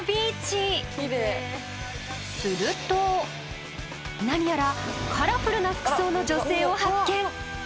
すると何やらカラフルな服装の女性を発見。